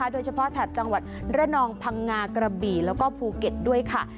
แถบจังหวัดระนองพังงากระบี่แล้วก็ภูเก็ตด้วยค่ะ